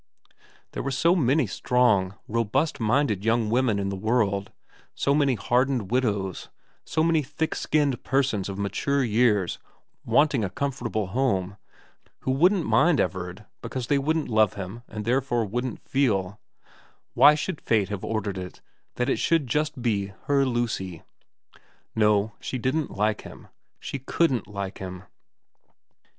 There were so many strong, robust minded young 348 VERA 349 women in the world, so many hardened widows, so many thick skinned persons of mature years wanting a comfortable home, who wouldn't mind Everard because they wouldn't love him and therefore wouldn't feel, why should Fate have ordered that it should just be her Lucy ? No, she didn't like him, she couldn't like him.